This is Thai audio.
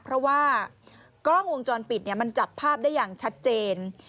เพราะว่ากล้องวงจรปิดมันจับภาพได้อย่างชัดเจน